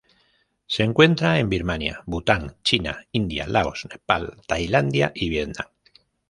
Se encuentra en Birmania, Bután, China, India, Laos, Nepal, Tailandia y Vietnam.